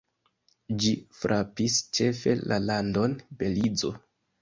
Ĝi frapis ĉefe la landon Belizo.